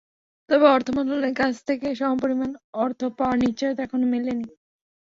তবে অর্থ মন্ত্রণালয়ের কাছ থেকে সমপরিমাণ অর্থ পাওয়ার নিশ্চয়তা এখনো মেলেনি।